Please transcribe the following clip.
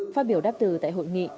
phát biểu đáp từ tại hội nghị